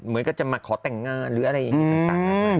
เหมือนกับจะมาขอแต่งงานหรืออะไรอย่างนี้ต่าง